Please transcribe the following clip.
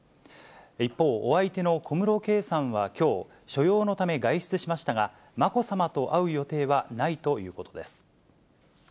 一方、お相手の小室圭さんはきょう、所用のため外出しましたが、まこさまと会う予定はないということです。